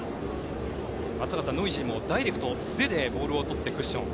松坂さん、ノイジーもダイレクト、素手でボールをとって。